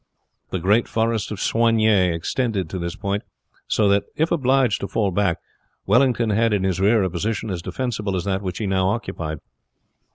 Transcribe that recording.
The great forest of Soignies extended to this point, so that if obliged to fall back Wellington had in his rear a position as defensible as that which he now occupied.